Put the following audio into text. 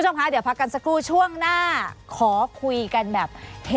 สวัสดีครับ